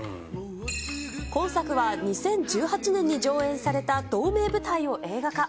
今作は、２０１８年に上演された同名舞台を映画化。